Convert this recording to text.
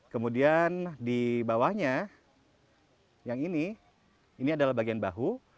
kemudian di bawahnya yang ini ini adalah bagian bahu